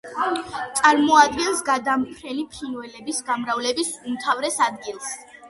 წარმოადგენს გადამფრენი ფრინველების გამრავლების უმთავრეს ადგილს.